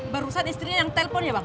barusan istrinya yang telpon ya bang